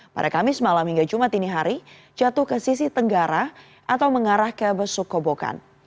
pada kamis malam hingga jumat ini hari jatuh ke sisi tenggara atau mengarah ke besukobokan